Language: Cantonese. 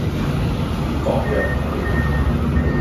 本港楊梅